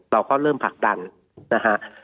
เราก็เริ่มผลักดันนะฮะ